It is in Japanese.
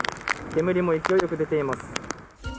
煙も勢いよく出ています。